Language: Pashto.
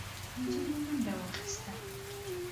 نجلۍ منډه واخيسته.